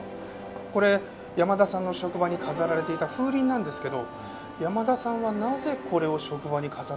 これ山田さんの職場に飾られていた風鈴なんですけど山田さんはなぜこれを職場に飾ってたんでしょう？